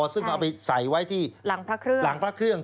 สายไปไว้ที่หลังพระเครื่อง